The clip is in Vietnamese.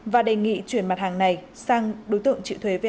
và đề nghị chuyển mặt hàng này sang đối tượng chịu thuế vat